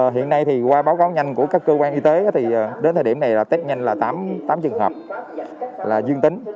hiện nay thì qua báo cáo nhanh của các cơ quan y tế thì đến thời điểm này là tết nhanh là tám trường hợp là dương tính